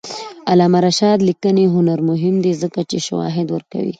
د علامه رشاد لیکنی هنر مهم دی ځکه چې شواهد ورکوي.